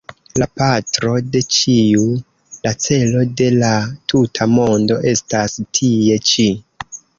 La patro de ĉiu, la celo de la tuta mondo estas tie ĉi.